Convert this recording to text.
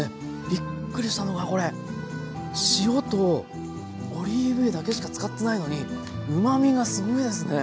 びっくりしたのがこれ塩とオリーブ油だけしか使ってないのにうまみがすごいですね。